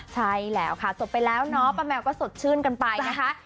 ใช่แล้วค่ะสดไปแล้วเนาะป้าแมวก็สดชื่นกันไปนะคะ